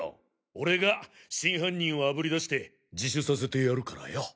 俺が真犯人をあぶり出して自首させてやるからよ。